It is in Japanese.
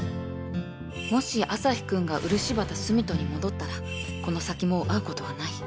もしアサヒくんが漆畑澄人に戻ったらこの先もう会う事はない